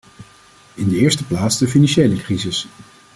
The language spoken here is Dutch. In de eerste plaats de financiële crisis.